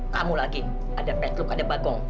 kamu lagi ada petluk ada bagong